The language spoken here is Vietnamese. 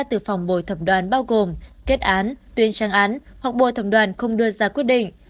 từ phòng bồi thẩm đoàn bao gồm kết án tuyên trang án hoặc bồi thẩm đoàn không đưa ra quyết định